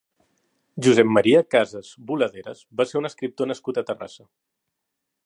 Josep Maria Casas Boladeras va ser un escriptor nascut a Terrassa.